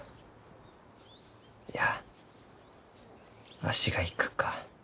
いやわしが行くか。